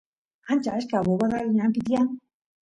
ancha achka bobadal ñanpi tiyan